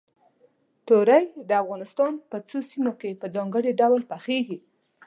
تورۍ د افغانستان په څو سیمو کې په ځانګړي ډول پخېږي.